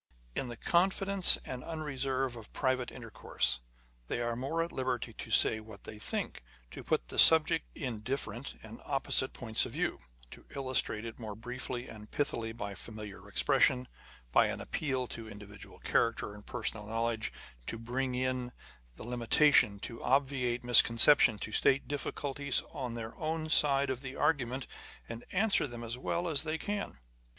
In the confidence and unreserve of private intercourse, they are more at liberty to say what they think, to put the subject in different and opposite points of view, to illustrate it more briefly and pithily by familiar expressions, by an appeal to individual character and personal knowledge â€" â€¢ to bring in the limitation, to obviate misconception, to state difficulties on their own side of the argument, and answer them as well as they can.